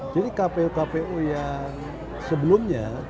jadi kpu kpu yang sebelumnya